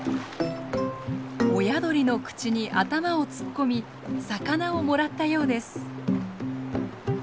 親鳥の口に頭を突っ込み魚をもらったようです。